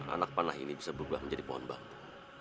anak panah ini bisa berubah menjadi pohon bambu